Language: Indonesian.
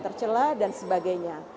tercela dan sebagainya